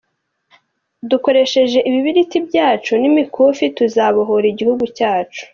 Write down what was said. Dukoresheje ibibiriti byacu n’imikufi tuzabohora igihugu cyacu”.